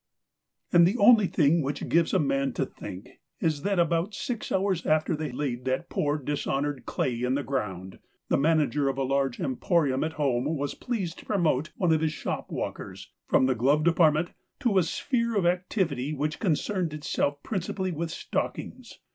And the only thing which gives a man to think is that about six hours after they laid that poor dishonoured clay in the ground, the manager of a large emporium at home was pleased to promote one of his shopwalkers from the glove department to a sphere of activity which concerned itself principally with stockings.